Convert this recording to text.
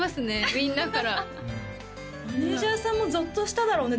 みんなからマネージャーさんもゾッとしただろうね